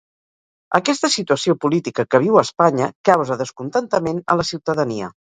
Aquesta situació política que viu Espanya causa descontentament a la ciutadania.